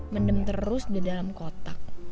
mendem terus di dalam kotak